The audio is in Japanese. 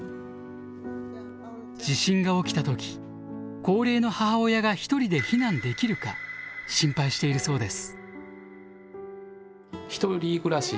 地震が起きた時高齢の母親が１人で避難できるか心配しているそうです。